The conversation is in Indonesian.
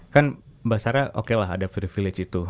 kan mbak sarah okelah adapt privilege itu